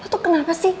lo tau kenapa sih